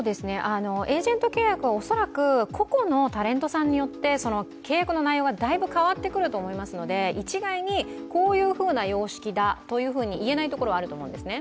エージェント契約は恐らく個々のタレントさんによって契約の内容がだいぶ変わってくると思いますので、一概にこういうふうな様式だと言えないところはあると思うんですね。